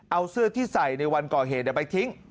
เอาเสื้อที่ใส่ในวันก่อเหตุไปทิ้ง